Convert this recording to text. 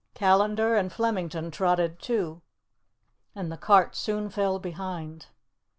Callandar and Flemington trotted too, and the cart soon fell behind.